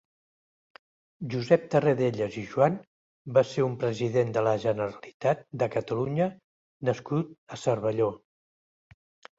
Josep Tarradellas i Joan va ser un president de la Generalitat de Catalunya nascut a Cervelló.